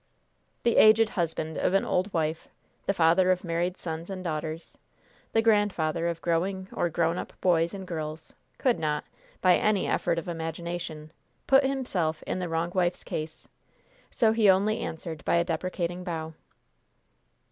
The aged husband of an old wife, the father of married sons and daughters, the grandfather of growing or grown up boys and girls, could not, by any effort of imagination, put himself in the wrong wife's case; so he only answered by a deprecating bow.